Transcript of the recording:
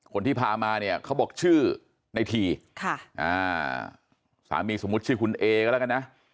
คนที่พามาเนี่ยเขาบอกชื่อในทีสามีสมมุติชื่อคุณเอก็แล้วกันนะ